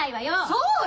そうよ！